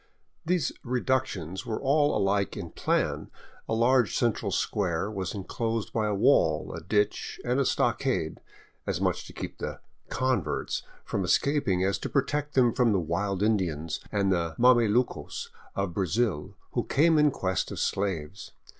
These " reductions " were all aUke in plan, — a large central square was enclosed by a wall, a ditch, and a stockade, as much to keep the *' converts " from escaping as to protect them from the wild Indians and the mamelucos of Brazil who came in quest of slaves.